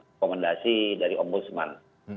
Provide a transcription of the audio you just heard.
rekomendasi dari om boseman